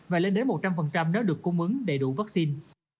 và lên đến một trăm linh nếu được cung ứng đầy đủ vaccine